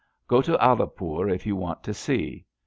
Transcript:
Qto to Alipur if you want to see.